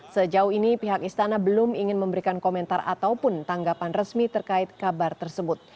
sejauh ini pihak istana belum ingin memberikan komentar ataupun tanggapan resmi terkait kabar tersebut